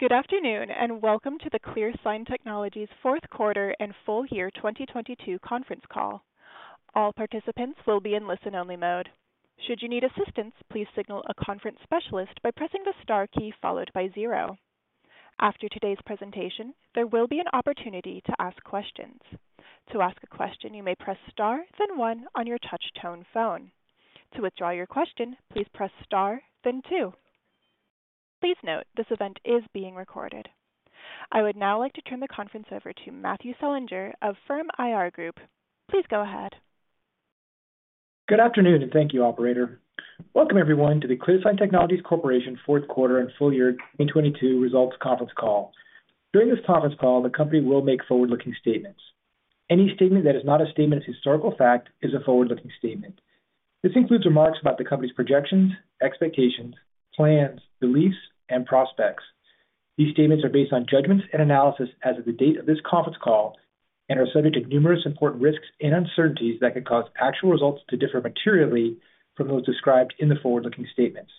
Good afternoon and welcome to the ClearSign Technologies fourth quarter and full year 2022 conference call. All participants will be in listen-only mode. Should you need assistance, please signal a conference specialist by pressing the star key followed by zero. After today's presentation, there will be an opportunity to ask questions. To ask a question, you may press star then one on your touch tone phone. To withdraw your question, please press star then two. Please note, this event is being recorded. I would now like to turn the conference over to Matthew Selinger of FIRM IR Group. Please go ahead. Good afternoon. Thank you, operator. Welcome everyone to the ClearSign Technologies Corporation fourth quarter and full year 2022 results conference call. During this conference call, the company will make forward-looking statements. Any statement that is not a statement as historical fact is a forward-looking statement. This includes remarks about the company's projections, expectations, plans, beliefs, and prospects. These statements are based on judgments and analysis as of the date of this conference call and are subject to numerous important risks and uncertainties that could cause actual results to differ materially from those described in the forward-looking statements.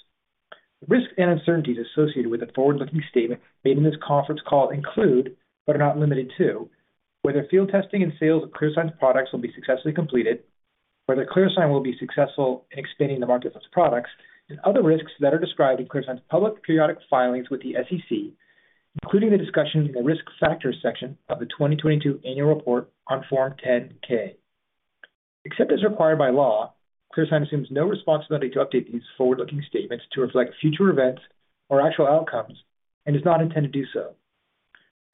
The risks and uncertainties associated with the forward-looking statement made in this conference call include, but are not limited to, whether field testing and sales of ClearSign's products will be successfully completed, whether ClearSign will be successful in expanding the markets of its products, and other risks that are described in ClearSign's public periodic filings with the SEC, including the discussion in the Risk Factors section of the 2022 annual report on Form 10-K. Except as required by law, ClearSign assumes no responsibility to update these forward-looking statements to reflect future events or actual outcomes and does not intend to do so.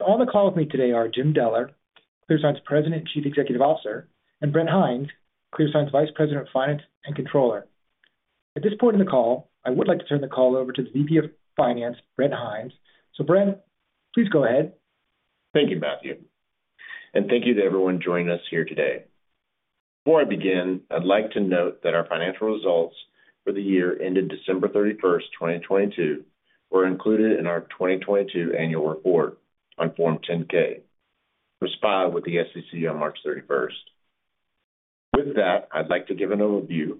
On the call with me today are Jim Deller, ClearSign's President and Chief Executive Officer, and Brent Hinds, ClearSign's Vice President of Finance and Controller. At this point in the call, I would like to turn the call over to the VP of Finance, Brent Hinds. Brent, please go ahead. Thank you, Matthew, and thank you to everyone joining us here today. Before I begin, I'd like to note that our financial results for the year ended December 31st, 2022 were included in our 2022 annual report on Form 10-K, which filed with the SEC on March 31st. I'd like to give an overview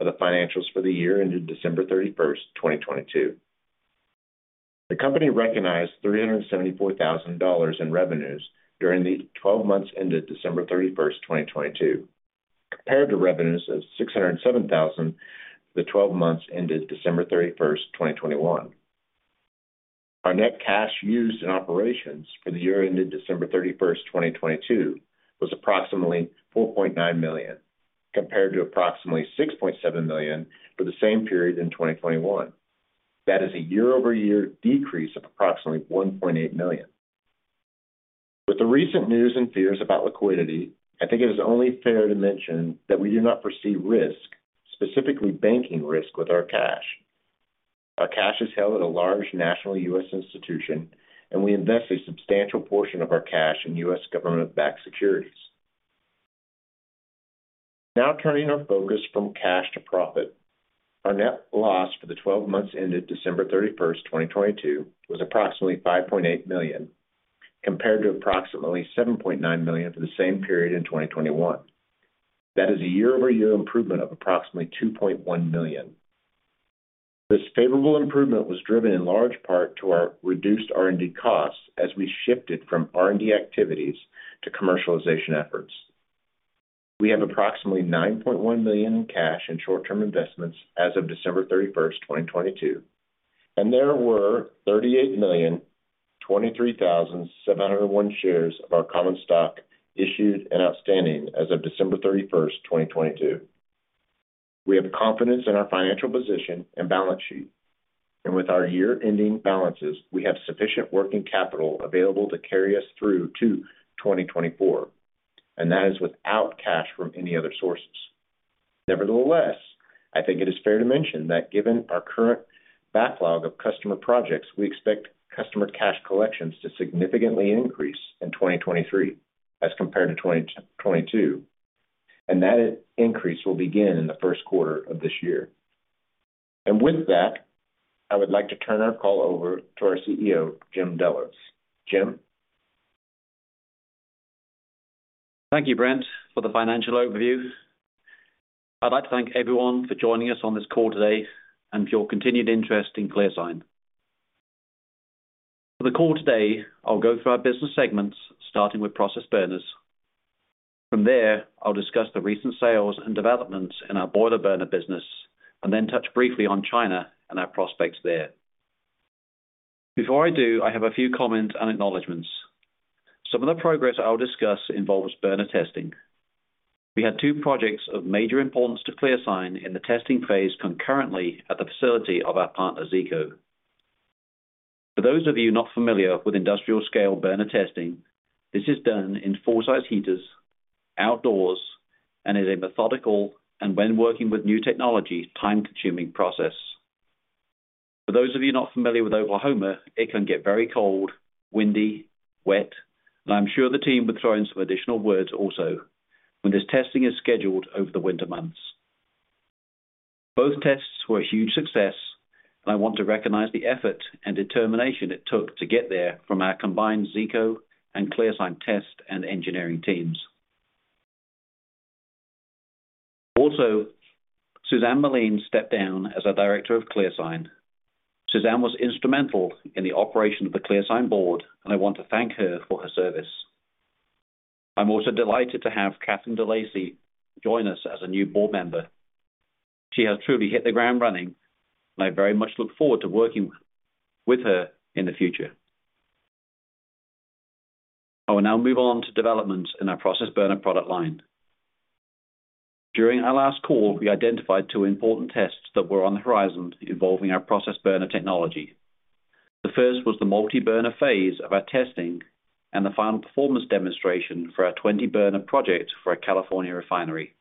of the financials for the year ended December 31st, 2022. The company recognized $374,000 in revenues during the 12 months ended December 31st, 2022, compared to revenues of $607,000 for the 12 months ended December 31st, 2021. Our net cash used in operations for the year ended December 31st, 2022 was approximately $4.9 million, compared to approximately $6.7 million for the same period in 2021. That is a year-over-year decrease of approximately $1.8 million. The recent news and fears about liquidity, I think it is only fair to mention that we do not foresee risk, specifically banking risk, with our cash. Our cash is held at a large national U.S. institution. We invest a substantial portion of our cash in U.S. government-backed securities. Turning our focus from cash to profit. Our net loss for the 12 months ended December 31st, 2022, was approximately $5.8 million, compared to approximately $7.9 million for the same period in 2021. That is a year-over-year improvement of approximately $2.1 million. This favorable improvement was driven in large part to our reduced R&D costs as we shifted from R&D activities to commercialization efforts. We have approximately $9.1 million in cash and short-term investments as of December 31, 2022. There were 38,023,701 shares of our common stock issued and outstanding as of December 31, 2022. We have confidence in our financial position and balance sheet. With our year-ending balances, we have sufficient working capital available to carry us through to 2024. That is without cash from any other sources. Nevertheless, I think it is fair to mention that given our current backlog of customer projects, we expect customer cash collections to significantly increase in 2023 as compared to 2022. That increase will begin in the first quarter of this year. With that, I would like to turn our call over to our CEO, Jim Deller. Jim? Thank you, Brent, for the financial overview. I'd like to thank everyone for joining us on this call today and for your continued interest in ClearSign. For the call today, I'll go through our business segments, starting with process burners. From there, I'll discuss the recent sales and developments in our boiler burner business and then touch briefly on China and our prospects there. Before I do, I have a few comments and acknowledgments. Some of the progress I will discuss involves burner testing. We had two projects of major importance to ClearSign in the testing phase concurrently at the facility of our partner, Zeeco. For those of you not familiar with industrial scale burner testing, this is done in full-size heaters outdoors and is a methodical, and when working with new technology, time-consuming process. For those of you not familiar with Oklahoma, it can get very cold, windy, wet, and I'm sure the team would throw in some additional words also when this testing is scheduled over the winter months. Both tests were a huge success. I want to recognize the effort and determination it took to get there from our combined Zeeco and ClearSign test and engineering teams. Suzanne Meline stepped down as our director of ClearSign. Suzanne was instrumental in the operation of the ClearSign board, and I want to thank her for her service. I'm delighted to have Catherine de Lacy join us as a new board member. She has truly hit the ground running, and I very much look forward to working with her in the future. I will now move on to developments in our process burner product line. During our last call, we identified two important tests that were on the horizon involving our process burner technology. The first was the multi-burner phase of our testing and the final performance demonstration for our 20-burner project for a California refinery.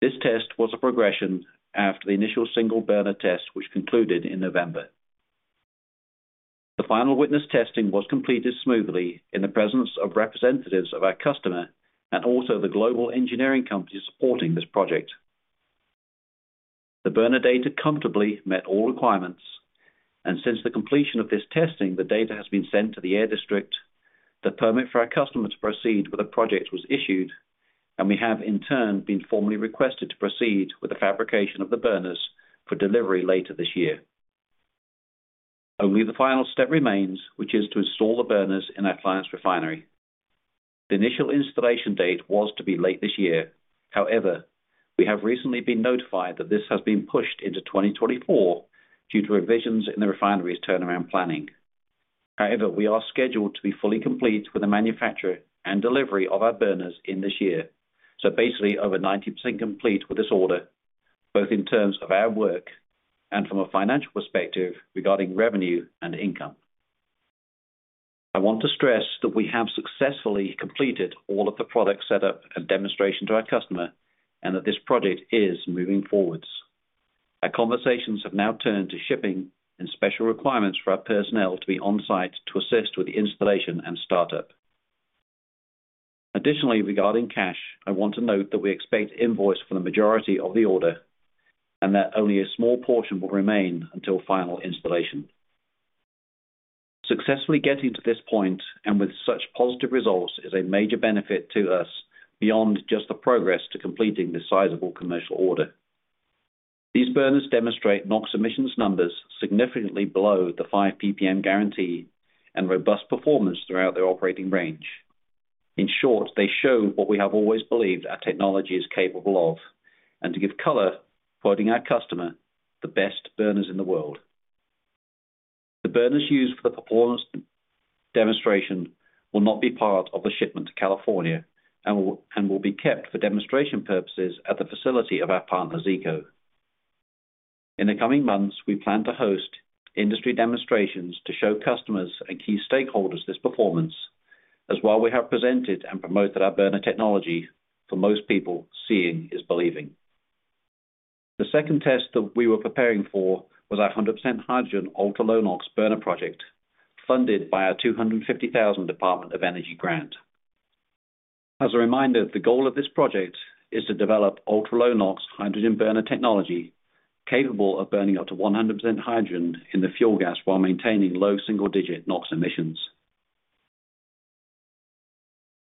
This test was a progression after the initial single burner test, which concluded in November. The final witness testing was completed smoothly in the presence of representatives of our customer and also the global engineering company supporting this project. The burner data comfortably met all requirements. Since the completion of this testing, the data has been sent to the air district. The permit for our customer to proceed with the project was issued. We have in turn been formally requested to proceed with the fabrication of the burners for delivery later this year. Only the final step remains, which is to install the burners in our client's refinery. We have recently been notified that this has been pushed into 2024 due to revisions in the refinery's turnaround planning. We are scheduled to be fully complete with the manufacture and delivery of our burners in this year. Basically over 90% complete with this order, both in terms of our work and from a financial perspective regarding revenue and income. I want to stress that we have successfully completed all of the product set up and demonstration to our customer, and that this project is moving forward. Our conversations have now turned to shipping and special requirements for our personnel to be on-site to assist with the installation and startup. Additionally, regarding cash, I want to note that we expect invoice for the majority of the order and that only a small portion will remain until final installation. Successfully getting to this point and with such positive results is a major benefit to us beyond just the progress to completing this sizable commercial order. These burners demonstrate NOx emissions numbers significantly below the 5 ppm guarantee and robust performance throughout their operating range. In short, they show what we have always believed our technology is capable of, and to give color, quoting our customer, "The best burners in the world." The burners used for the performance demonstration will not be part of the shipment to California and will be kept for demonstration purposes at the facility of our partner, Zeeco. In the coming months, we plan to host industry demonstrations to show customers and key stakeholders this performance as while we have presented and promoted our burner technology, for most people, seeing is believing. The second test that we were preparing for was our 100% hydrogen ultra-low NOx burner project, funded by our $250,000 Department of Energy grant. As a reminder, the goal of this project is to develop ultra-low NOx hydrogen burner technology capable of burning up to 100% hydrogen in the fuel gas while maintaining low single digit NOx emissions.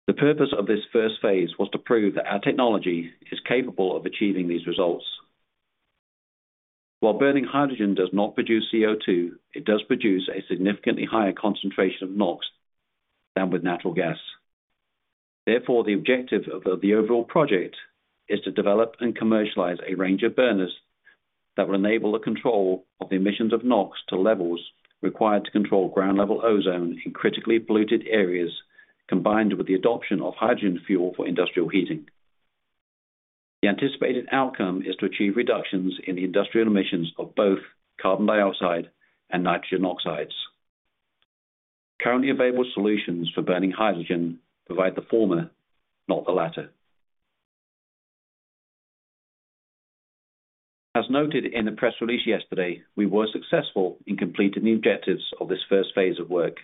The purpose of this first phase was to prove that our technology is capable of achieving these results. While burning hydrogen does not produce CO2, it does produce a significantly higher concentration of NOx than with natural gas. The objective of the overall project is to develop and commercialize a range of burners that will enable the control of the emissions of NOx to levels required to control ground level ozone in critically polluted areas, combined with the adoption of hydrogen fuel for industrial heating. The anticipated outcome is to achieve reductions in the industrial emissions of both carbon dioxide and nitrogen oxides. Currently available solutions for burning hydrogen provide the former, not the latter. As noted in the press release yesterday, we were successful in completing the objectives of this first phase of work.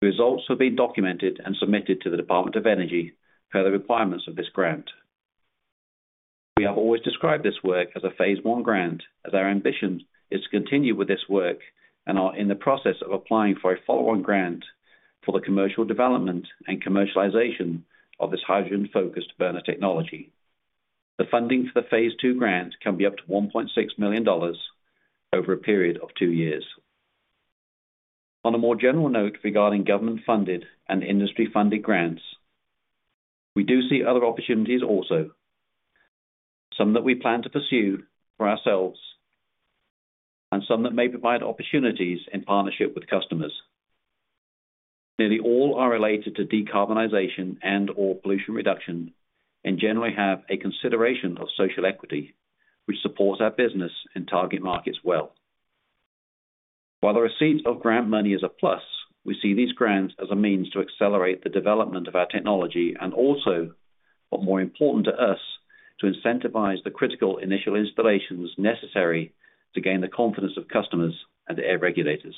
The results have been documented and submitted to the Department of Energy per the requirements of this grant. We have always described this work as a Phase 1 grant, as our ambition is to continue with this work and are in the process of applying for a follow-on grant for the commercial development and commercialization of this hydrogen-focused burner technology. The funding for the Phase 2 grant can be up to $1.6 million over a period of two years. On a more general note regarding government-funded and industry-funded grants, we do see other opportunities also, some that we plan to pursue for ourselves and some that may provide opportunities in partnership with customers. Nearly all are related to decarbonization and/or pollution reduction and generally have a consideration of social equity, which supports our business and target markets well. While the receipt of grant money is a plus, we see these grants as a means to accelerate the development of our technology and also, but more important to us, to incentivize the critical initial installations necessary to gain the confidence of customers and the air regulators.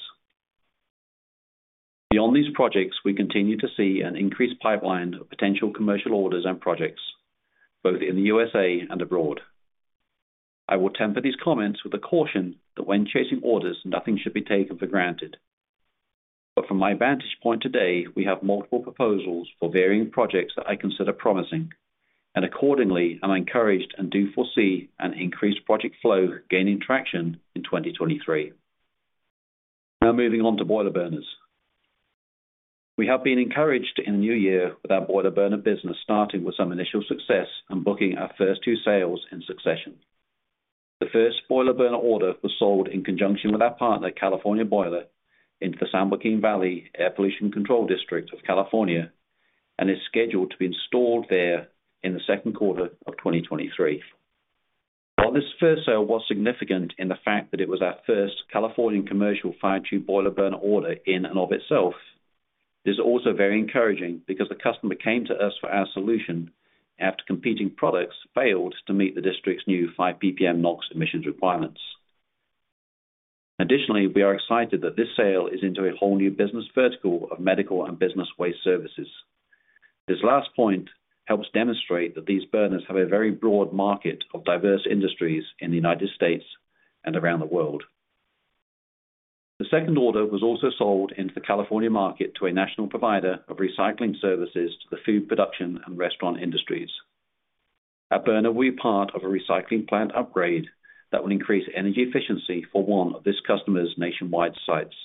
Beyond these projects, we continue to see an increased pipeline of potential commercial orders and projects both in the USA and abroad. I will temper these comments with the caution that when chasing orders, nothing should be taken for granted. From my vantage point today, we have multiple proposals for varying projects that I consider promising, and accordingly, I'm encouraged and do foresee an increased project flow gaining traction in 2023. Moving on to boiler burners. We have been encouraged in the new year with our boiler burner business, starting with some initial success and booking our first two sales in succession. The first boiler burner order was sold in conjunction with our partner, California Boiler, into the San Joaquin Valley Air Pollution Control District of California and is scheduled to be installed there in the second quarter of 2023. This first sale was significant in the fact that it was our first Californian commercial fire tube boiler burner order in and of itself, it is also very encouraging because the customer came to us for our solution after competing products failed to meet the district's new 5 PPM NOx emissions requirements. We are excited that this sale is into a whole new business vertical of medical and business waste services. This last point helps demonstrate that these burners have a very broad market of diverse industries in the United States and around the world. The second order was also sold into the California market to a national provider of recycling services to the food production and restaurant industries. Our burner will be part of a recycling plant upgrade that will increase energy efficiency for one of this customer's nationwide sites.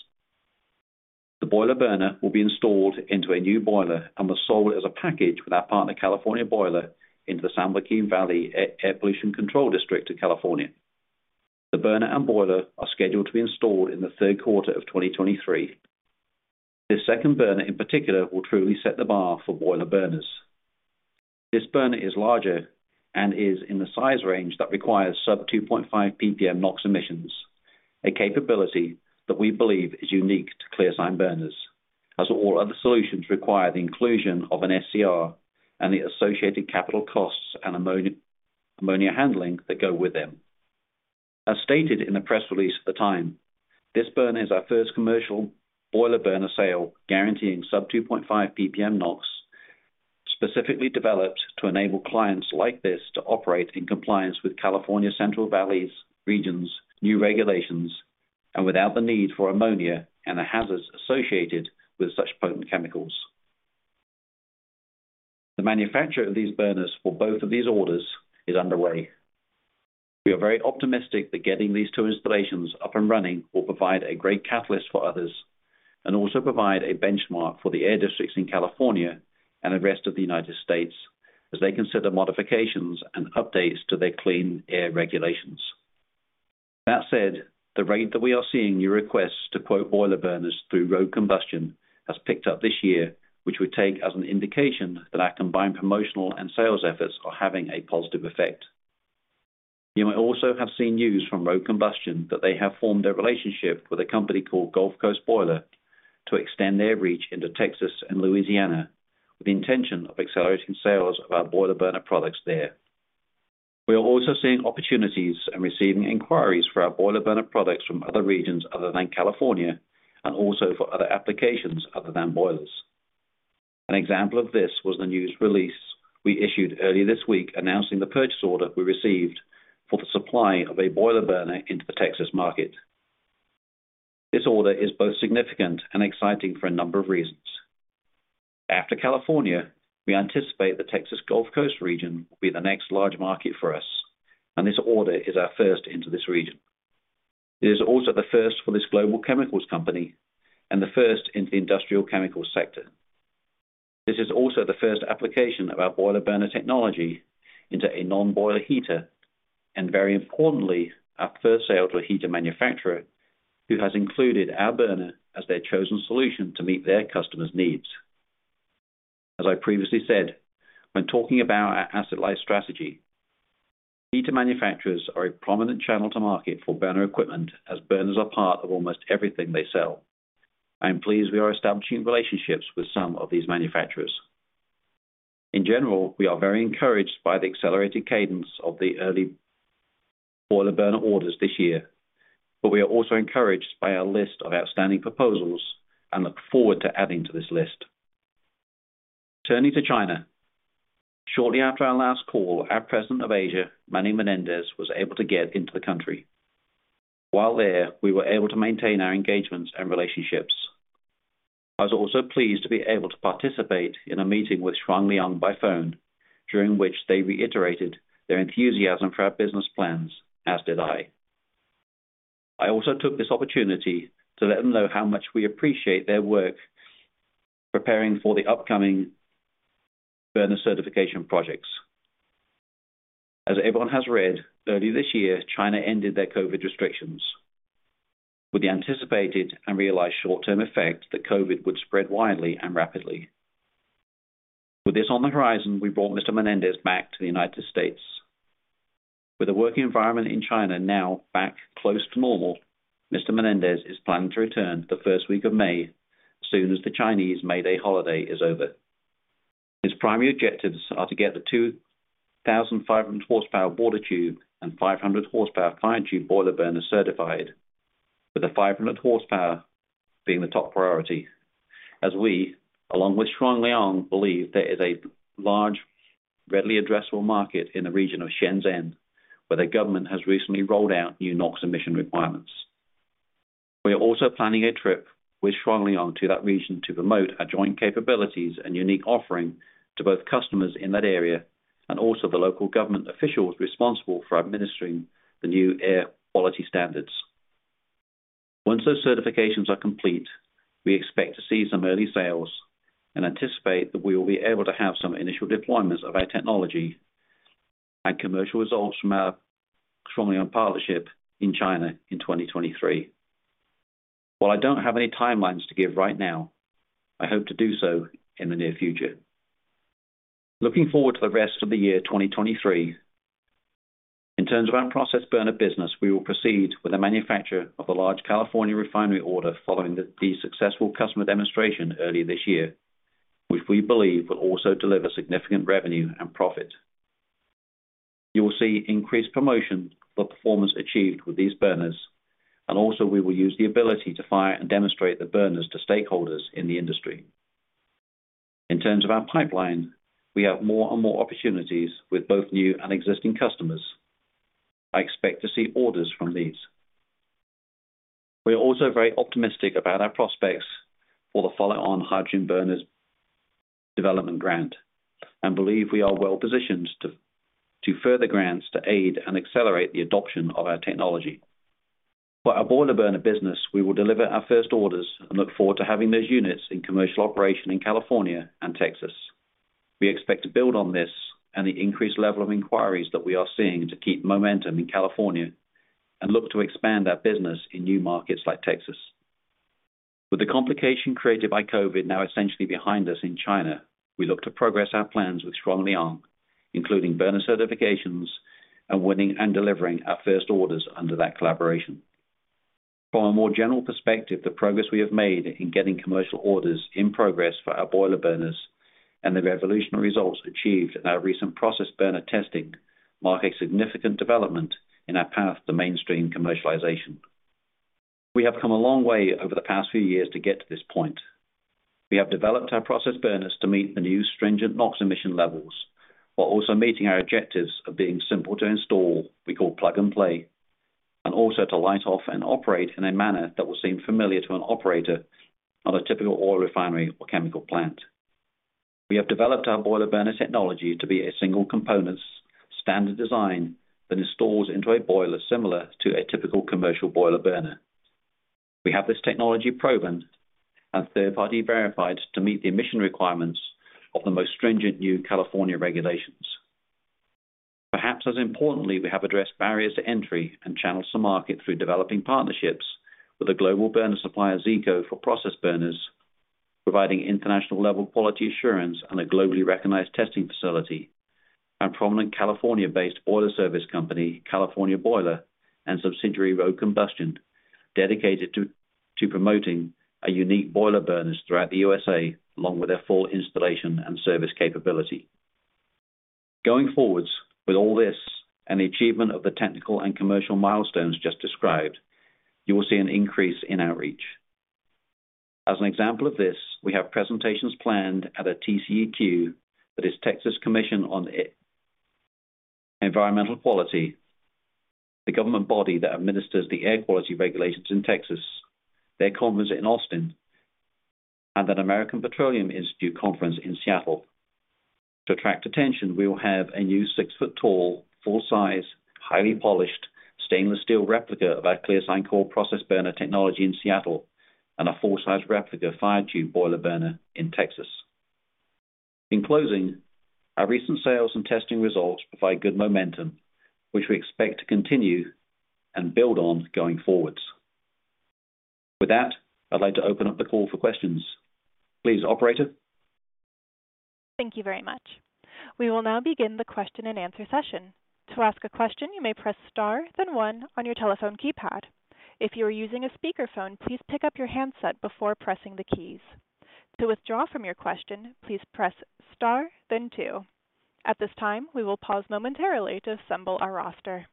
The boiler burner will be installed into a new boiler and was sold as a package with our partner, California Boiler, into the San Joaquin Valley Air Pollution Control District of California. The burner and boiler are scheduled to be installed in the third quarter of 2023. This second burner in particular will truly set the bar for boiler burners. This burner is larger and is in the size range that requires sub 2.5 ppm NOx emissions, a capability that we believe is unique to ClearSign burners, as all other solutions require the inclusion of an SCR and the associated capital costs and ammonia handling that go with them. As stated in the press release at the time, this burner is our first commercial boiler burner sale guaranteeing sub 2.5 ppm NOx, specifically developed to enable clients like this to operate in compliance with California Central Valley's region's new regulations and without the need for ammonia and the hazards associated with such potent chemicals. The manufacture of these burners for both of these orders is underway. We are very optimistic that getting these 2 installations up and running will provide a great catalyst for others and also provide a benchmark for the air districts in California and the rest of the United States as they consider modifications and updates to their clean air regulations. That said, the rate that we are seeing new requests to quote boiler burners through Rogue Combustion has picked up this year, which we take as an indication that our combined promotional and sales efforts are having a positive effect. You might also have seen news from Rogue Combustion that they have formed a relationship with a company called Gulf Coast Boiler to extend their reach into Texas and Louisiana with the intention of accelerating sales of our boiler burner products there. We are also seeing opportunities and receiving inquiries for our boiler burner products from other regions other than California and also for other applications other than boilers. An example of this was the news release we issued earlier this week announcing the purchase order we received for the supply of a boiler burner into the Texas market. This order is both significant and exciting for a number of reasons. After California, we anticipate the Texas Gulf Coast region will be the next large market for us, and this order is our first into this region. It is also the first for this global chemicals company and the first in the industrial chemicals sector. This is also the first application of our boiler burner technology into a non-boiler heater. Very importantly, our first sale to a heater manufacturer who has included our burner as their chosen solution to meet their customers' needs. As I previously said, when talking about our asset-light strategy, heater manufacturers are a prominent channel to market for burner equipment as burners are part of almost everything they sell. I am pleased we are establishing relationships with some of these manufacturers. In general, we are very encouraged by the accelerated cadence of the early boiler burner orders this year. We are also encouraged by our list of outstanding proposals and look forward to adding to this list. Turning to China. Shortly after our last call, our President of Asia, Manny Menendez, was able to get into the country. While there, we were able to maintain our engagements and relationships. I was also pleased to be able to participate in a meeting with Shuangliang by phone, during which they reiterated their enthusiasm for our business plans, as did I. I also took this opportunity to let them know how much we appreciate their work preparing for the upcoming burner certification projects. As everyone has read, early this year, China ended their COVID restrictions with the anticipated and realized short-term effect that COVID would spread widely and rapidly. With this on the horizon, we brought Mr. Menendez back to the United States. With the work environment in China now back close to normal, Mr. Menendez is planning to return the first week of May as soon as the Chinese May Day holiday is over. His primary objectives are to get the 2,500 horsepower water tube and 500 horsepower fire tube boiler burners certified, with the 500 horsepower being the top priority. As we, along with Shuangliang, believe there is a large, readily addressable market in the region of Shenzhen, where the government has recently rolled out new NOx emission requirements. We are also planning a trip with Shuangliang to that region to promote our joint capabilities and unique offering to both customers in that area and also the local government officials responsible for administering the new air quality standards. Once those certifications are complete, we expect to see some early sales and anticipate that we will be able to have some initial deployments of our technology and commercial results from our Shuangliang partnership in China in 2023. While I don't have any timelines to give right now, I hope to do so in the near future. Looking forward to the rest of the year 2023, in terms of our process burner business, we will proceed with the manufacture of a large California refinery order following the successful customer demonstration early this year, which we believe will also deliver significant revenue and profit. You will see increased promotion for performance achieved with these burners, and also we will use the ability to fire and demonstrate the burners to stakeholders in the industry. In terms of our pipeline, we have more and more opportunities with both new and existing customers. I expect to see orders from these. We are also very optimistic about our prospects for the follow-on hydrogen burners development grant and believe we are well-positioned to further grants to aid and accelerate the adoption of our technology. For our boiler burner business, we will deliver our first orders and look forward to having those units in commercial operation in California and Texas. We expect to build on this and the increased level of inquiries that we are seeing to keep momentum in California and look to expand our business in new markets like Texas. With the complication created by COVID now essentially behind us in China, we look to progress our plans with Shuangliang, including burner certifications and winning and delivering our first orders under that collaboration. From a more general perspective, the progress we have made in getting commercial orders in progress for our boiler burners and the revolutionary results achieved in our recent process burner testing mark a significant development in our path to mainstream commercialization. We have come a long way over the past few years to get to this point. We have developed our process burners to meet the new stringent NOx emission levels, while also meeting our objectives of being simple to install, we call plug and play, and also to light off and operate in a manner that will seem familiar to an operator on a typical oil refinery or chemical plant. We have developed our boiler burner technology to be a single components standard design that installs into a boiler similar to a typical commercial boiler burner. We have this technology proven and third-party verified to meet the emission requirements of the most stringent new California regulations. Perhaps as importantly, we have addressed barriers to entry and channels to market through developing partnerships with a global burner supplier, Zeeco, for process burners, providing international level quality assurance and a globally recognized testing facility. A prominent California-based boiler service company, California Boiler, and subsidiary Rogue Combustion, dedicated to promoting our unique boiler burners throughout the USA, along with their full installation and service capability. Going forwards with all this and the achievement of the technical and commercial milestones just described, you will see an increase in outreach. As an example of this, we have presentations planned at a TCEQ, that is Texas Commission on Environmental Quality, the government body that administers the air quality regulations in Texas, their conference in Austin, and an American Petroleum Institute conference in Seattle. To attract attention, we will have a new 6-foot tall, full-size, highly polished stainless steel replica of our ClearSign Core process burner technology in Seattle and a full-size replica fire tube boiler burner in Texas. In closing, our recent sales and testing results provide good momentum, which we expect to continue and build on going forwards. With that, I'd like to open up the call for questions. Please, operator. Thank you very much. We will now begin the question and answer session. To ask a question, you may press star then one on your telephone keypad. If you are using a speakerphone, please pick up your handset before pressing the keys. To withdraw from your question, please press star then two. At this time, we will pause momentarily to assemble our roster.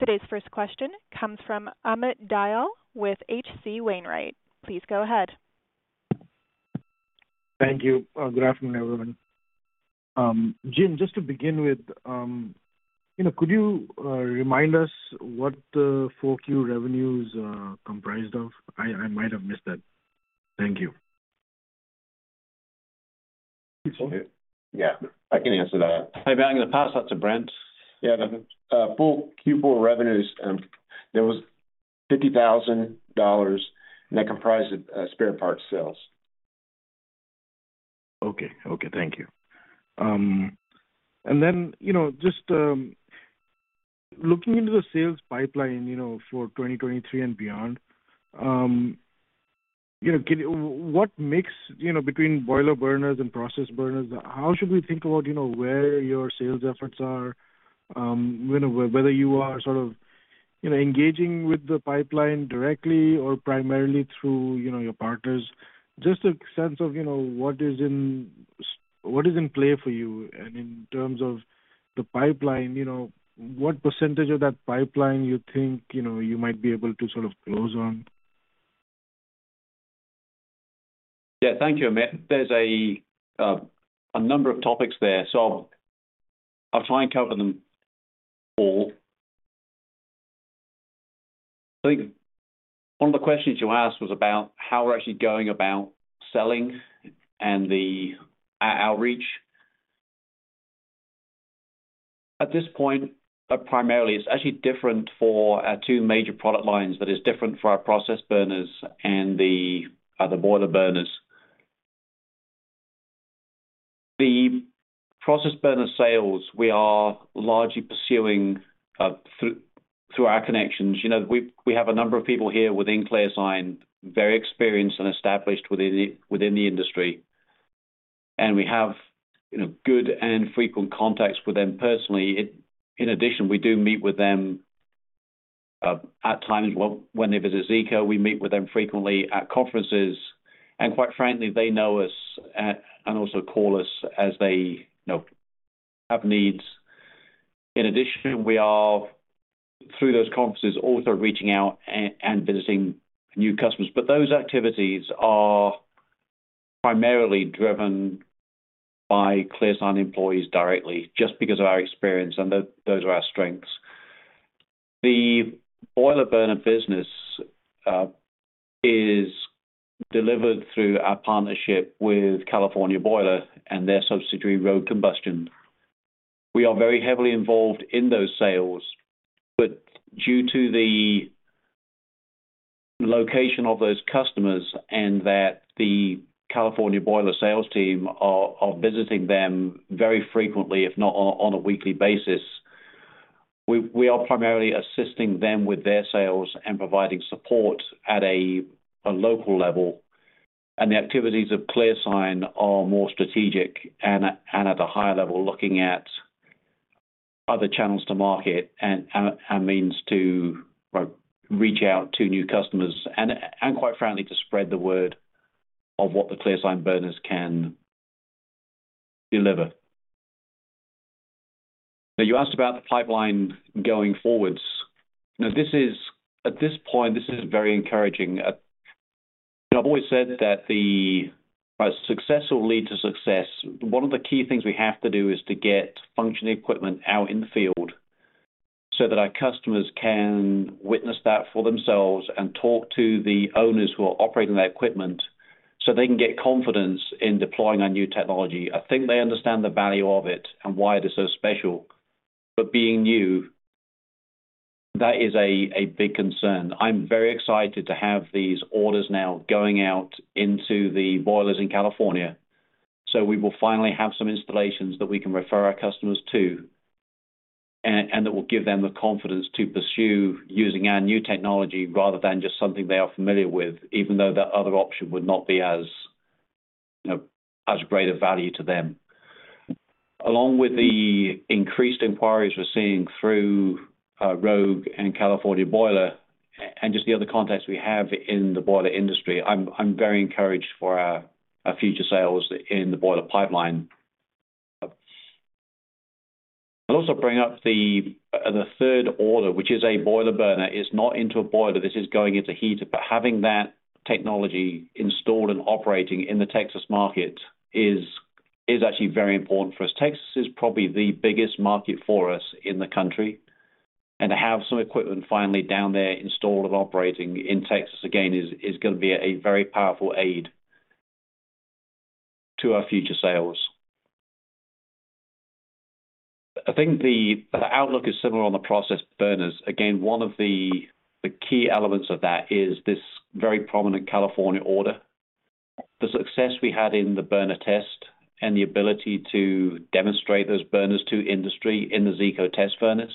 Today's first question comes from Amit Dayal with H.C. Wainwright. Please go ahead. Thank you. good afternoon, everyone. Jim, just to begin with, you know, could you remind us what the 4Q revenues comprised of? I might have missed that. Thank you. Yeah, I can answer that. I'm going to pass that to Brent. Yeah. The full Q4 revenues, there was $50,000 that comprised of spare parts sales. Okay. Okay, thank you. Then, you know, just looking into the sales pipeline, you know, for 2023 and beyond, you know, can you What makes, you know, between boiler burners and process burners, how should we think about, you know, where your sales efforts are? You know, whether you are sort of, you know, engaging with the pipeline directly or primarily through, you know, your partners? Just a sense of, you know, what is in play for you? In terms of the pipeline, you know, what % of that pipeline you think, you know, you might be able to sort of close on? Thank you, Amit. There's a number of topics there. I'll try and cover them all. I think one of the questions you asked was about how we're actually going about selling and our outreach. At this point, primarily, it's actually different for our two major product lines. That is different for our process burners and the other boiler burners. The process burner sales we are largely pursuing through our connections. You know, we have a number of people here within ClearSign, very experienced and established within the industry. We have, you know, good and frequent contacts with them personally. In addition, we do meet with them at times when they visit Zeeco. We meet with them frequently at conferences, and quite frankly, they know us and also call us as they, you know, have needs. In addition, we are, through those conferences, also reaching out and visiting new customers. Those activities are primarily driven by ClearSign employees directly just because of our experience, and those are our strengths. The boiler burner business is delivered through our partnership with California Boiler and their subsidiary, Rogue Combustion. We are very heavily involved in those sales, but due to the location of those customers and that the California Boiler sales team are visiting them very frequently, if not on a weekly basis. We are primarily assisting them with their sales and providing support at a local level. The activities of ClearSign are more strategic and at a higher level, looking at other channels to market and means to reach out to new customers and quite frankly, to spread the word of what the ClearSign burners can deliver. You asked about the pipeline going forwards. At this point, this is very encouraging. I've always said that the success will lead to success. One of the key things we have to do is to get functioning equipment out in the field so that our customers can witness that for themselves and talk to the owners who are operating their equipment so they can get confidence in deploying our new technology. I think they understand the value of it and why they're so special. Being new, that is a big concern. I'm very excited to have these orders now going out into the boilers in California. We will finally have some installations that we can refer our customers to, and that will give them the confidence to pursue using our new technology rather than just something they are familiar with, even though that other option would not be as, you know, as great a value to them. Along with the increased inquiries we're seeing through Rogue and California Boiler and just the other contacts we have in the boiler industry, I'm very encouraged for our future sales in the boiler pipeline. I'll also bring up the third order, which is a boiler burner. It's not into a boiler. This is going into heater. Having that technology installed and operating in the Texas market is actually very important for us. Texas is probably the biggest market for us in the country. To have some equipment finally down there installed and operating in Texas again is gonna be a very powerful aid to our future sales. I think the outlook is similar on the process burners. Again, one of the key elements of that is this very prominent California order. The success we had in the burner test and the ability to demonstrate those burners to industry in the Zeeco test furnace,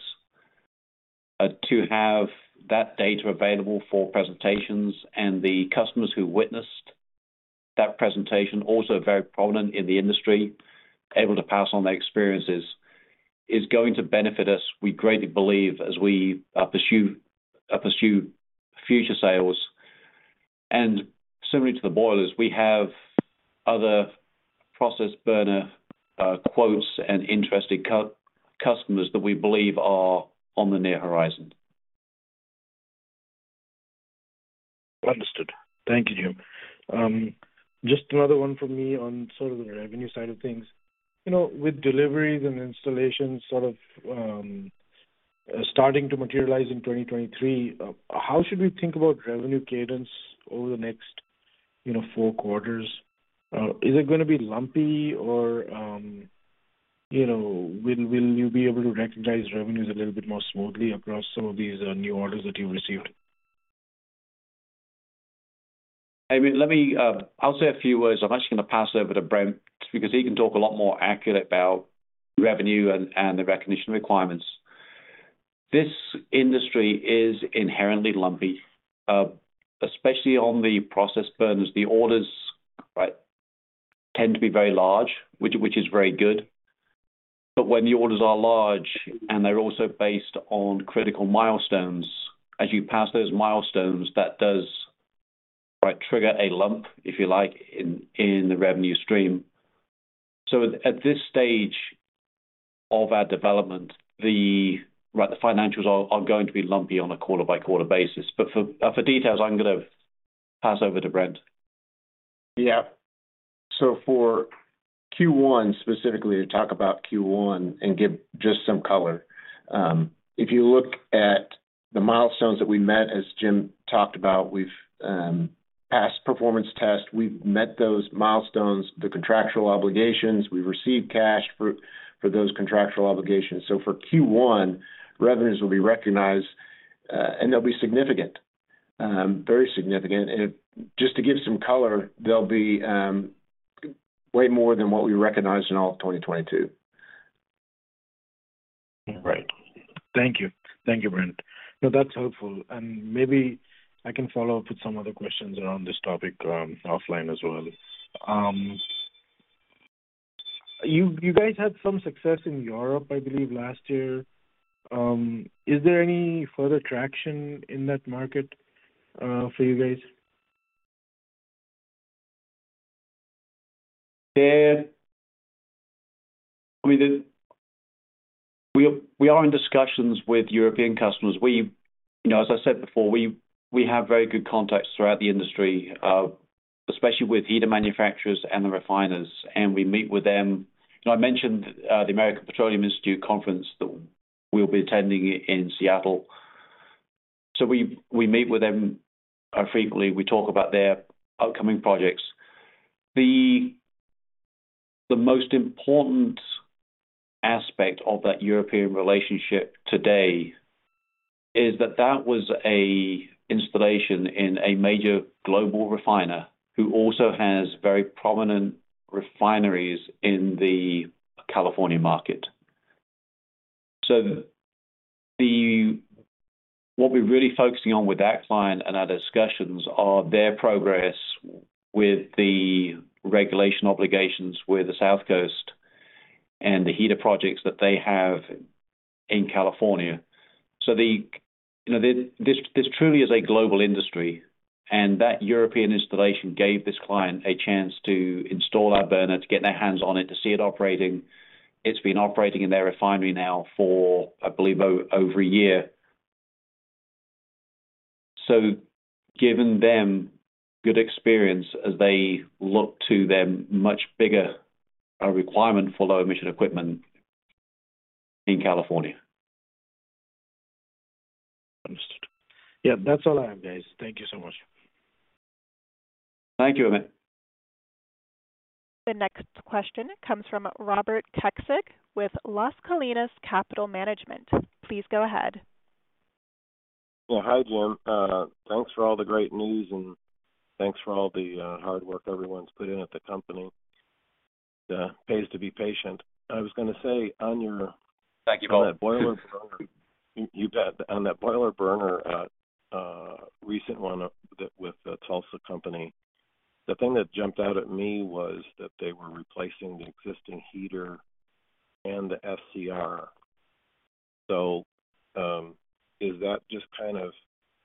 to have that data available for presentations and the customers who witnessed that presentation also very prominent in the industry, able to pass on their experiences, is going to benefit us, we greatly believe, as we pursue future sales. Similarly to the boilers, we have other process burner quotes and interesting customers that we believe are on the near horizon. Understood. Thank you, Jim. Just another one from me on sort of the revenue side of things. You know, with deliveries and installations sort of, starting to materialize in 2023, how should we think about revenue cadence over the next, you know, 4 quarters? Is it gonna be lumpy or, you know, will you be able to recognize revenues a little bit more smoothly across some of these, new orders that you've received? Amit, I'll say a few words. I'm actually going to pass over to Brent because he can talk a lot more accurate about revenue and the recognition requirements. This industry is inherently lumpy, especially on the process burners. The orders, right, tend to be very large, which is very good. When the orders are large and they're also based on critical milestones, as you pass those milestones, that does trigger a lump, if you like, in the revenue stream. At this stage of our development, the right, the financials are going to be lumpy on a quarter by quarter basis. For details, I'm gonna pass over to Brent. For Q1, specifically to talk about Q1 and give just some color, if you look at the milestones that we met, as Jim talked about, we've passed performance tests. We've met those milestones, the contractual obligations. We've received cash for those contractual obligations. For Q1, revenues will be recognized, they'll be significant, very significant. Just to give some color, they'll be way more than what we recognized in all of 2022. Right. Thank you. Thank you, Brent. No, that's helpful. Maybe I can follow up with some other questions around this topic, offline as well. You guys had some success in Europe, I believe, last year. Is there any further traction in that market, for you guys? We are in discussions with European customers. We, you know, as I said before, we have very good contacts throughout the industry, especially with heater manufacturers and the refiners, and we meet with them. You know, I mentioned the American Petroleum Institute conference that we'll be attending in Seattle. We meet with them frequently. We talk about their upcoming projects. The most important aspect of that European relationship today is that that was a installation in a major global refiner who also has very prominent refineries in the California market. What we're really focusing on with that client and our discussions are their progress with the regulation obligations with the South Coast and the heater projects that they have in California. The, you know, this truly is a global industry, and that European installation gave this client a chance to install our burner, to get their hands on it, to see it operating. It's been operating in their refinery now for, I believe, over a year. Giving them good experience as they look to their much bigger requirement for low emission equipment in California. Understood. Yeah, that's all I have, guys. Thank you so much. Thank you, Amit. The next question comes from Robert Kecseg with Las Colinas Capital Management. Please go ahead. Yeah. Hi, Jim. thanks for all the great news, and thanks for all the hard work everyone's put in at the company. It, pays to be patient. I was gonna say on your- Thank you, Bob. on that boiler burner. You bet. On that boiler burner, recent one with the Tulsa company, the thing that jumped out at me was that they were replacing the existing heater and the SCR. Is that just kind of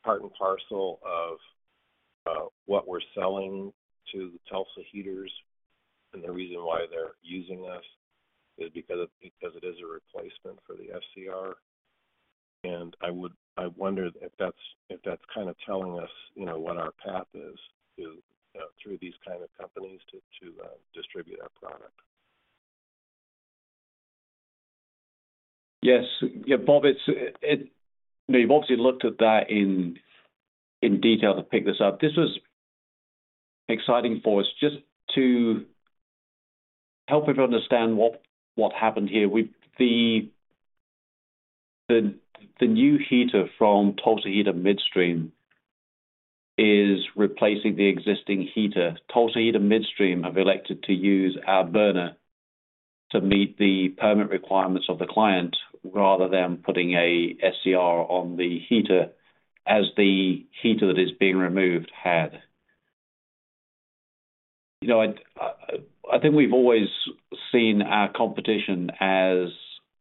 part and parcel of what we're selling to Tulsa Heaters and the reason why they're using us is because it is a replacement for the SCR? I wonder if that's, if that's kinda telling us, you know, what our path is through these kind of companies to distribute our product. Yes. Yeah, Bob, you've obviously looked at that in detail to pick this up. This was exciting for us just to help people understand what happened here. The new heater from Tulsa Heaters Midstream is replacing the existing heater. Tulsa Heaters Midstream have elected to use our burner to meet the permit requirements of the client rather than putting a SCR on the heater as the heater that is being removed had. You know, I think we've always seen our competition as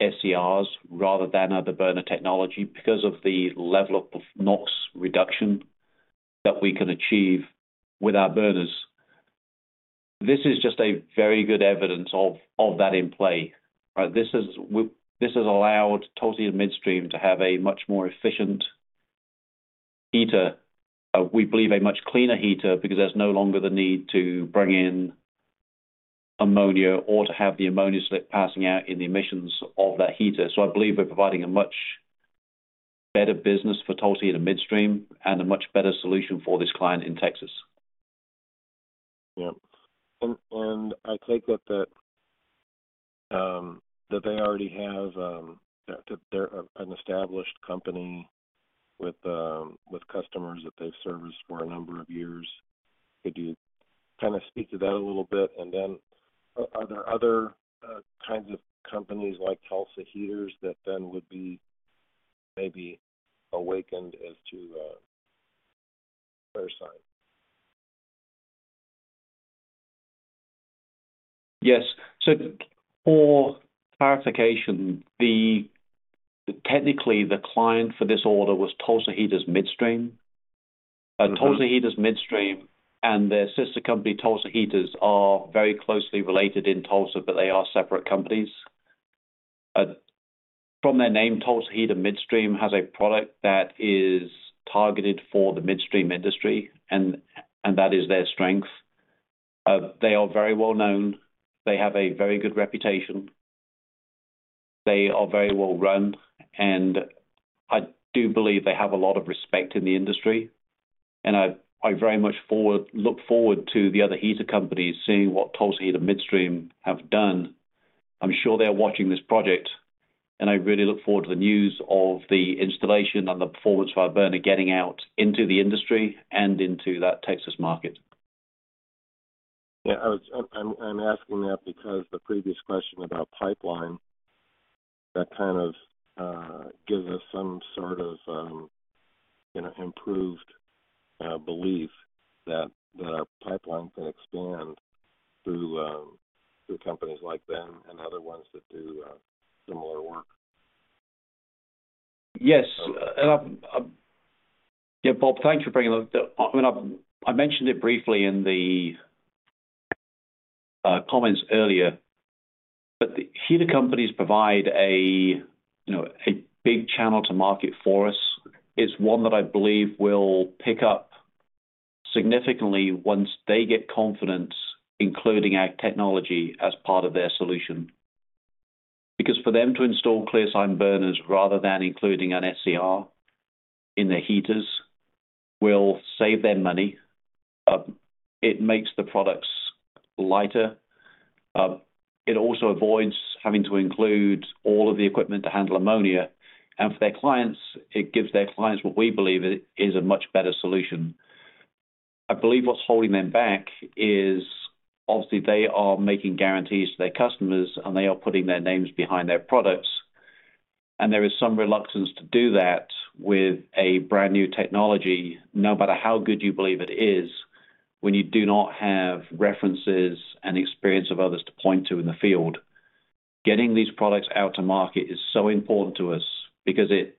SCRs rather than other burner technology because of the level of NOx reduction that we can achieve with our burners. This is just a very good evidence of that in play. Right? This has allowed Tulsa Midstream to have a much more efficient heater, we believe a much cleaner heater because there's no longer the need to bring in ammonia or to have the ammonia slip passing out in the emissions of that heater. I believe we're providing a much better business for Tulsa Heaters Midstream and a much better solution for this client in Texas. Yeah. I take it that they already have that they're an established company with customers that they've serviced for a number of years. Could you kinda speak to that a little bit? Are there other kinds of companies like Tulsa Heaters that then would be maybe awakened as to ClearSign? Yes. For clarification, technically, the client for this order was Tulsa Heaters Midstream. Tulsa Heaters Midstream and their sister company, Tulsa Heaters, are very closely related in Tulsa, but they are separate companies. From their name, Tulsa Heaters Midstream has a product that is targeted for the midstream industry, and that is their strength. They are very well-known. They have a very good reputation. They are very well-run, and I do believe they have a lot of respect in the industry. I very much look forward to the other heater companies seeing what Tulsa Heaters Midstream have done. I'm sure they're watching this project, and I really look forward to the news of the installation and the performance of our burner getting out into the industry and into that Texas market. I'm asking that because the previous question about pipeline, that kind of gives us some sort of, you know, improved belief that the pipeline can expand through companies like them and other ones that do similar work. Yes. Yeah, Bob, thanks for bringing that up. I mean, I mentioned it briefly in the comments earlier, but the heater companies provide a, you know, a big channel to market for us. It's one that I believe will pick up significantly once they get confidence, including our technology as part of their solution. For them to install ClearSign burners rather than including an SCR in their heaters will save them money. It makes the products lighter. It also avoids having to include all of the equipment to handle ammonia. For their clients, it gives their clients what we believe is a much better solution. I believe what's holding them back is obviously they are making guarantees to their customers, and they are putting their names behind their products. There is some reluctance to do that with a brand-new technology, no matter how good you believe it is, when you do not have references and experience of others to point to in the field. Getting these products out to market is so important to us because it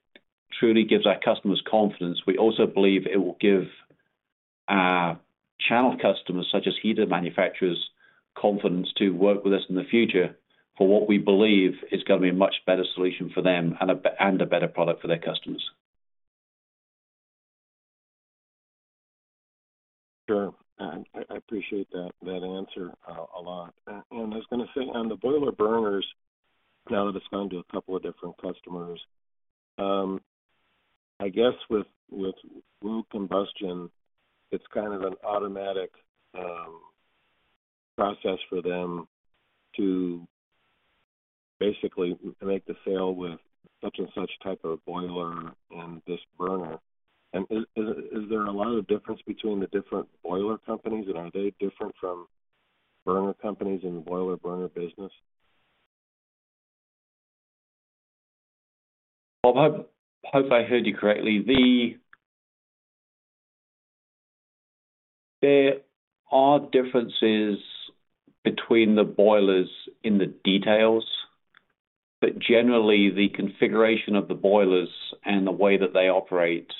truly gives our customers confidence. We also believe it will give our channel customers, such as heater manufacturers, confidence to work with us in the future for what we believe is gonna be a much better solution for them and a better product for their customers. Sure. I appreciate that answer, a lot. I was gonna say on the boiler burners, now that it's gone to a couple of different customers, I guess with Rogue Combustion, it's kind of an automatic process for them to basically make the sale with such and such type of boiler and this burner. Is there a lot of difference between the different boiler companies, and are they different from burner companies in the boiler burner business? Well, I hope I heard you correctly. There are differences between the boilers in the details. Generally, the configuration of the boilers and the way that they operate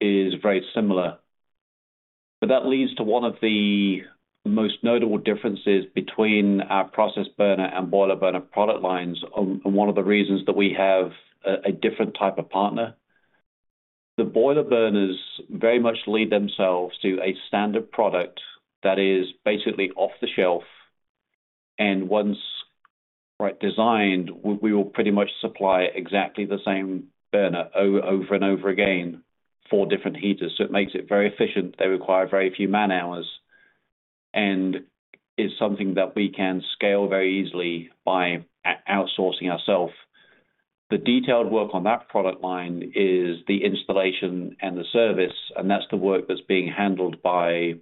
is very similar. That leads to one of the most notable differences between our process burner and boiler burner product lines and one of the reasons that we have a different type of partner. The boiler burners very much lead themselves to a standard product that is basically off the shelf. Once, right, designed, we will pretty much supply exactly the same burner over and over again for different heaters. It makes it very efficient. They require very few man-hours, and it's something that we can scale very easily by outsourcing ourselves. The detailed work on that product line is the installation and the service, and that's the work that's being handled by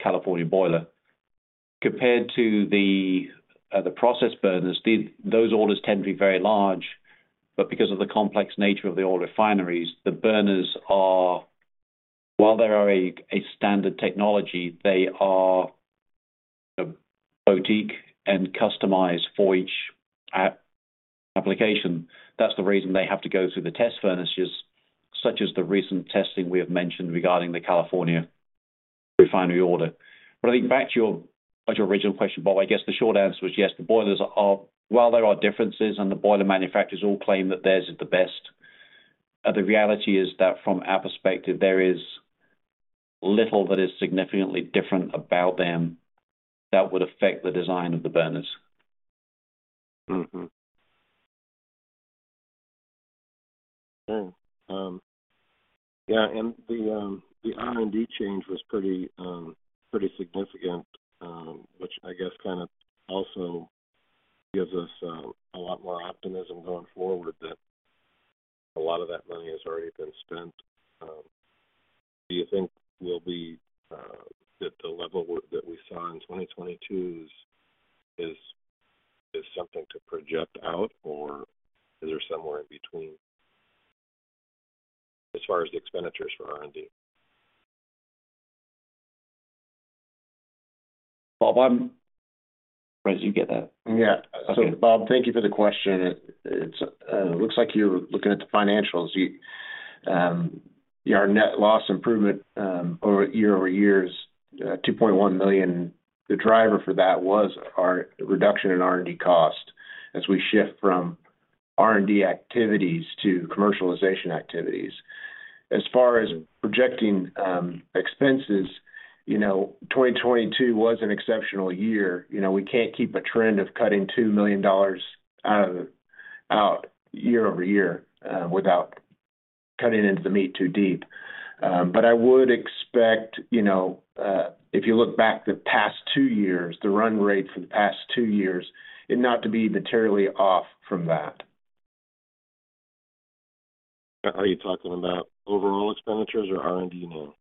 California Boiler. Compared to the process burners, those orders tend to be very large. Because of the complex nature of the oil refineries, the burners are while they are a standard technology, they are boutique and customized for each application. That's the reason they have to go through the test furnaces, such as the recent testing we have mentioned regarding the California refinery order. I think back to your, back to your original question, Bob, I guess the short answer was yes, the boilers are, while there are differences, and the boiler manufacturers all claim that theirs is the best, the reality is that from our perspective, there is little that is significantly different about them that would affect the design of the burners. Sure. The R&D change was pretty significant, which I guess kinda also gives us a lot more optimism going forward that a lot of that money has already been spent. Do you think we'll be that the level that we saw in 2022 is something to project out, or is there somewhere in between? As far as the expenditures for R&D. Bob, Whereas you get that. Yeah. Okay. Bob, thank you for the question. It's, looks like you're looking at the financials. Your net loss improvement, year over years, $2.1 million. The driver for that was our reduction in R&D cost as we shift from R&D activities to commercialization activities. As far as projecting expenses, you know, 2022 was an exceptional year. You know, we can't keep a trend of cutting $2 million out of the year over year, without cutting into the meat too deep. I would expect, you know, if you look back the past 2 years, the run rate for the past 2 years, it not to be materially off from that. Are you talking about overall expenditures or R&D now?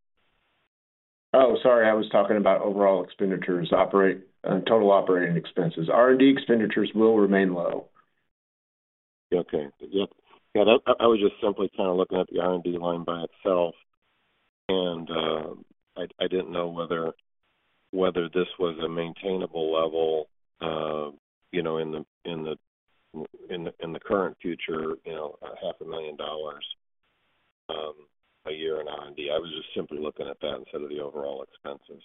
Oh, sorry. I was talking about overall expenditures total operating expenses. R&D expenditures will remain low. Okay. Yeah. Yeah, I was just simply kind of looking at the R&D line by itself, and I didn't know whether this was a maintainable level, you know, in the current future, you know, half a million dollars a year in R&D. I was just simply looking at that instead of the overall expenses.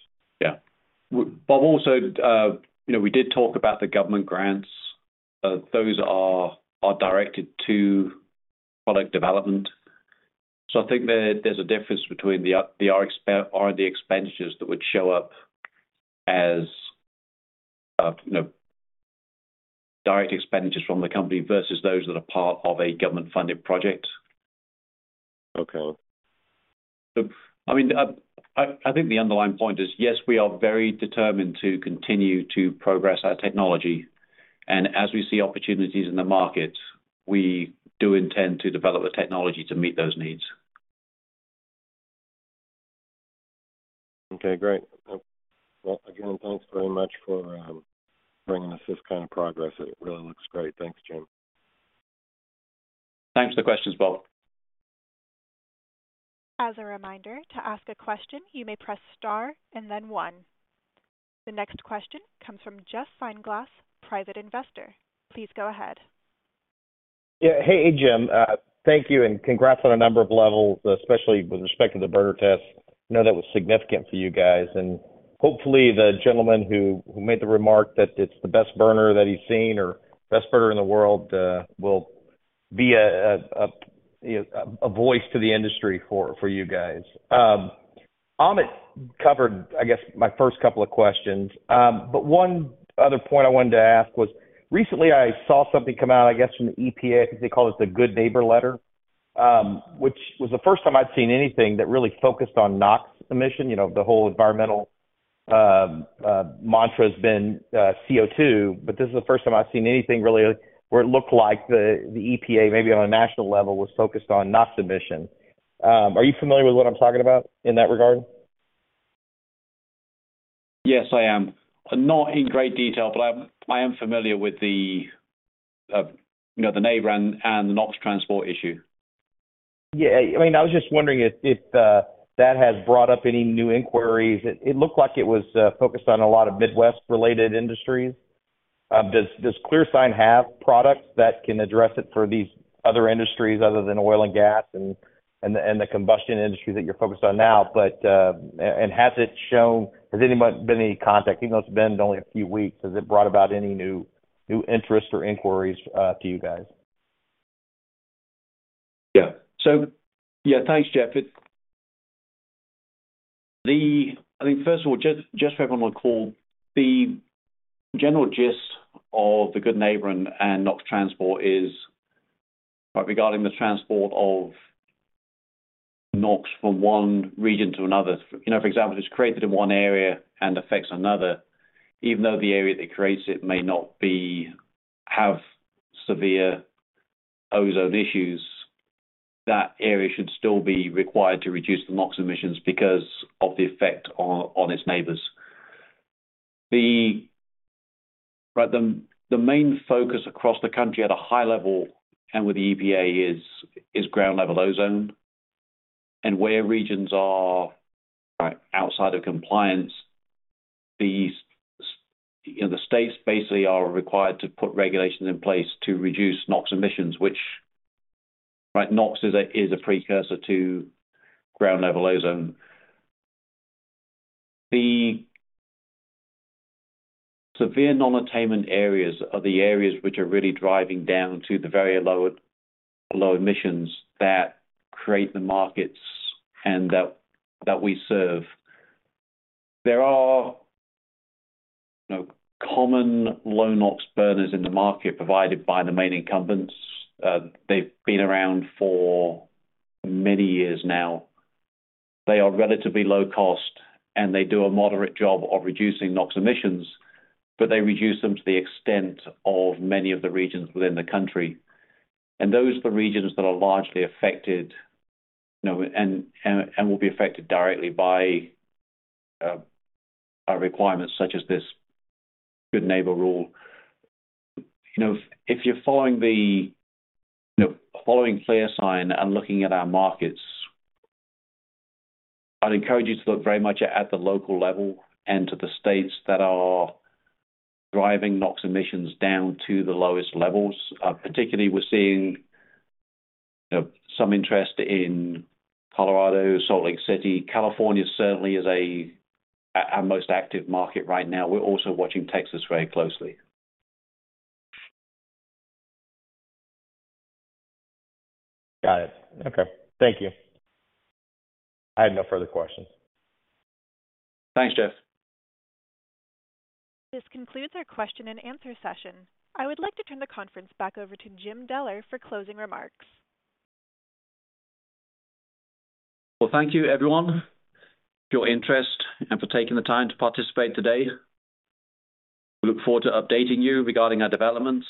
Bob, also, you know, we did talk about the government grants. Those are directed to product development. I think there's a difference between the R&D expenditures that would show up as, you know, direct expenditures from the company versus those that are part of a government-funded project. Okay. I mean, I think the underlying point is, yes, we are very determined to continue to progress our technology. As we see opportunities in the market, we do intend to develop the technology to meet those needs. Okay, great. again, thanks very much for bringing us this kind of progress. It really looks great. Thanks, Jim. Thanks for the questions, Bob. As a reminder, to ask a question, you may press star and then 1. The next question comes from Jeff Feinglas, private investor. Please go ahead. Yeah. Hey, Jim. Thank you, and congrats on a number of levels, especially with respect to the burner test. I know that was significant for you guys, and hopefully, the gentleman who made the remark that it's the best burner that he's seen or best burner in the world, you know, a voice to the industry for you guys. Amit covered, I guess, my first couple of questions. One other point I wanted to ask was recently I saw something come out, I guess, from the EPA. I think they call it the Good Neighbor Plan, which was the first time I'd seen anything that really focused on NOx emission. You know, the whole environmental mantra has been CO2. This is the first time I've seen anything really where it looked like the EPA, maybe on a national level, was focused on NOx emission. Are you familiar with what I'm talking about in that regard? Yes, I am. Not in great detail, but I am familiar with the, you know, the Neighbor and the NOx transport issue. I mean, I was just wondering if that has brought up any new inquiries. It looked like it was focused on a lot of Midwest-related industries. Does ClearSign have products that can address it for these other industries other than oil and gas and the combustion industry that you're focused on now? Has anybody been in contact? Even though it's been only a few weeks, has it brought about any new interest or inquiries to you guys? Yeah. Yeah. Thanks, Jeff. I mean, first of all, just for everyone to recall, the general gist of the Good Neighbor and NOx transport is regarding the transport of NOx from one region to another. You know, for example, it's created in one area and affects another. Even though the area that creates it may not be, have severe ozone issues, that area should still be required to reduce the NOx emissions because of the effect on its neighbors. The, right, the main focus across the country at a high level and with the EPA is ground-level ozone. Where regions are, right, outside of compliance, you know, the states basically are required to put regulations in place to reduce NOx emissions, which, right, NOx is a precursor to ground-level ozone. The severe non-attainment areas are the areas which are really driving down to the very low emissions that create the markets and that we serve. There are no common low NOx burners in the market provided by the main incumbents. They've been around for many years now. They are relatively low cost, and they do a moderate job of reducing NOx emissions, but they reduce them to the extent of many of the regions within the country. Those are the regions that are largely affected, you know, and will be affected directly by requirements such as this Good Neighbor rule. You know, if you're following, you know, ClearSign and looking at our markets, I'd encourage you to look very much at the local level and to the states that are driving NOx emissions down to the lowest levels. Particularly, we're seeing, you know, some interest in Colorado, Salt Lake City. California certainly is our most active market right now. We're also watching Texas very closely. Got it. Okay. Thank you. I have no further questions. Thanks, Jeff. This concludes our question and answer session. I would like to turn the conference back over to Jim Deller for closing remarks. Well, thank you, everyone, for your interest and for taking the time to participate today. We look forward to updating you regarding our developments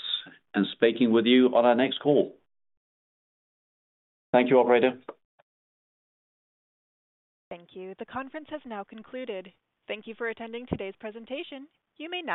and speaking with you on our next call. Thank you, operator. Thank you. The conference has now concluded. Thank you for attending today's presentation. You may now-